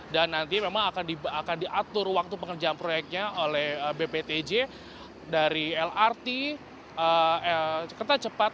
dan nanti memang akan diatur waktu pengerjaan proyeknya oleh bptj dari lrt kerta cepat